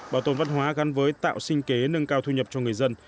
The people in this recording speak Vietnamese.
bảo tồn văn hóa gắn với tạo sinh kế nâng cao thu nhập cho người dân